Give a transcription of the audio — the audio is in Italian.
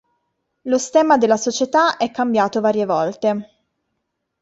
Lo stemma della società è cambiato varie volte.